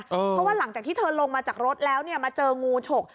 เพราะว่าหลังจากที่เธอลงมาจากรถแล้วเนี่ยมาเจองูฉก